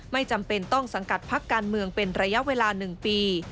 ไม่จำเป็นต้องสังกัดพักการเมืองเป็นระยะเวลา๑ปี